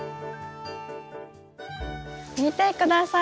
見て下さい。